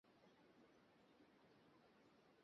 ব্রেসলেটের উপর নির্ভর করাটা, আমার খুব হাস্যকর মনে হয়েছিল।